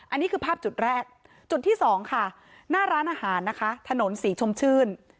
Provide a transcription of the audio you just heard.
อันนี้คือภาพจุดแรกจุดที่สองค่ะหน้าร้านอาหารนะคะถนนศรีชมชื่น